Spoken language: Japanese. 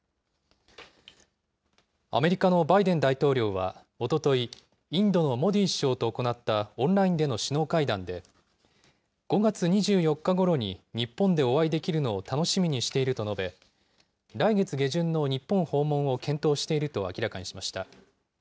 アメリカのバイデン大統領はおととい、インドのモディ首相と行ったオンラインでの首脳会談で、５月２４日ごろに日本でお会いできるのを楽しみにしていると述べ、来月下旬の日本訪問を検討していると明らかにしました。